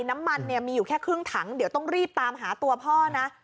น้ำมันเนี่ยมีอยู่แค่ครึ่งถังเดี๋ยวต้องรีบตามหาตัวพ่อนะ